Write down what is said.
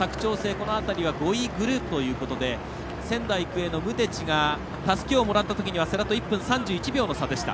この辺りは５位グループということで仙台育英のムテチがたすきをもらったときには世羅と１分３１秒の差でした。